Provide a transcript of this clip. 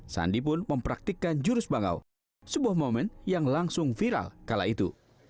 sandi pun mempraktikkan jurus bangau sebuah momen yang langsung viral kala itu